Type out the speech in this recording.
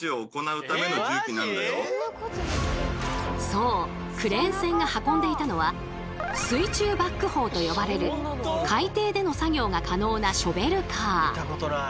そうクレーン船が運んでいたのは水中バックホウと呼ばれる海底での作業が可能なショベルカー。